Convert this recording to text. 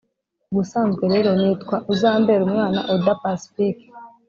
ubusanzwe rero nitwa uzamberumwana oda pacifique,